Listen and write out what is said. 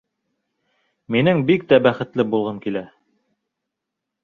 Минең бик тә бәхетле булғым килә.